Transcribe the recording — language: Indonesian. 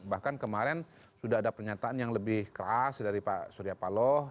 bahkan kemarin sudah ada pernyataan yang lebih keras dari pak surya paloh